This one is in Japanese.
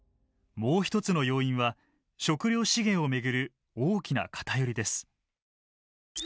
もう一つの要因は食料資源を巡る大きな偏りです。